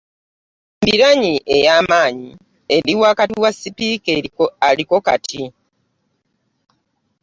Embiranye ey'amaanyi eri wakati wa Sipiika aliko kati.